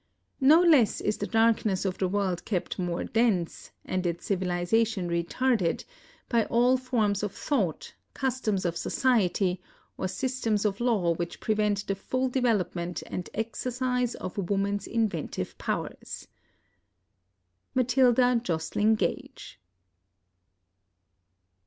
No less is the darkness of the world kept more dense, and its civilization re tarded, by all forms of thought, customs of society, or systems of law which prevent the full development and exercise of woman's inventive powers. Matilda Joslyn Gage.